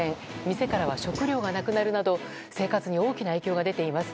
店からは食料がなくなるなど生活に大きな影響が出ています。